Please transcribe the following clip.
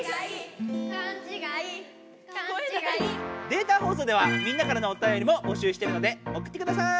データ放送ではみんなからのおたよりも募集してるのでおくってください。